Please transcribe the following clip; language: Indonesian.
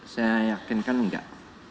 saya yakinkan enggak